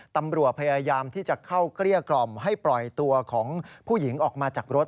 ตำรวจพยายามที่จะเข้าเกลี้ยกล่อมให้ปล่อยตัวของผู้หญิงออกมาจากรถ